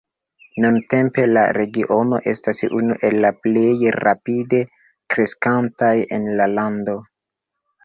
Nuntempe, la regiono estas unu el la plej rapide kreskantaj en la lando.